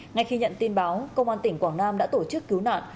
ngay khi nhận tin báo công an tỉnh quảng nam đã tổ chức cứu nạn